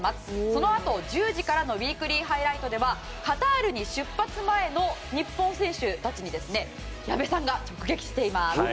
そのあと１０時からの「ウィークリーハイライト」ではカタールに出発前の日本選手たちに矢部さんが直撃しています。